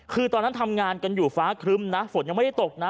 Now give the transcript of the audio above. คือตอนนั้นทำงานกันอยู่ฟ้าครึ้มนะฝนยังไม่ได้ตกนะ